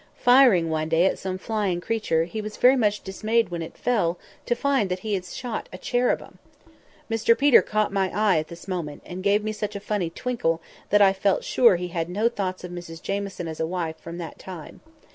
Firing one day at some flying creature, he was very much dismayed when it fell, to find that he had shot a cherubim! Mr Peter caught my eye at this moment, and gave me such a funny twinkle, that I felt sure he had no thoughts of Mrs Jamieson as a wife from that time.